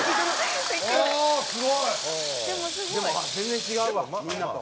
「でもすごい」「全然違うわみんなと」